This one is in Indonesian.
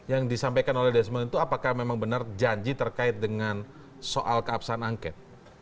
yang disampaikan oleh desmond itu apakah memang benar janji terkait dengan soal keabsahan angket